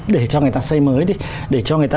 để cho người ta xây mới đi để cho người ta